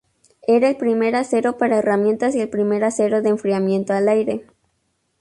Era el primer acero para herramientas y el primer acero de enfriamiento al aire.